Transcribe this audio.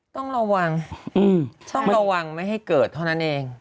ต้องระวังต้องระวังไม่ให้เกิดเท่านั้นเอง